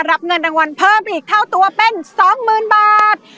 รับเงินรางวัลเพิ่มอีกเท่าตัวเป็น๒๐๐๐บาท